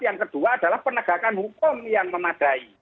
yang kedua adalah penegakan hukum yang memadai